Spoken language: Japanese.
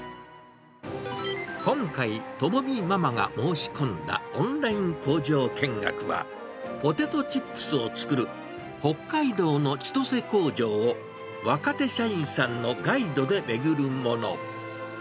今回、知美ママが申し込んだオンライン工場見学は、ポテトチップスを作る北海道の千歳工場を、若手社員さんのガイドで巡るもの。